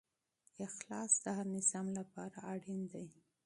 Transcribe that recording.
شفافیت د هر نظام لپاره اړین دی.